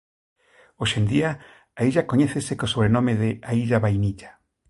Hoxe en día a illa coñécese co sobrenome de «a illa vainilla».